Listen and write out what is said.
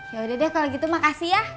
yaudah deh kalau gitu makasih ya